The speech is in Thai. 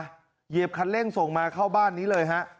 เหยียบคันเร่งส่งมาเข้าบ้านนี้เลยฮะ